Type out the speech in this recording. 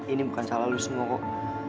ini bukan salah lo semua kok